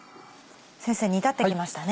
先生煮立ってきましたね。